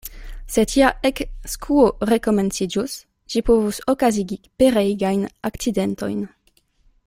Se tia ekskuo rekomenciĝus, ĝi povus okazigi pereigajn akcidentojn.